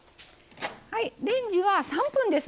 レンジは３分です。